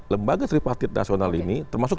lembaga tripartit nasional ini termasuk